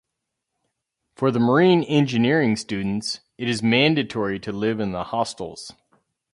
For the Marine Engineering students, it is mandatory to live in the hostels.